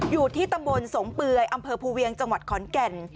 อยู่ที่ตำบลสงเปื่อยอำเภอภูเวียงจังหวัดขอนแก่น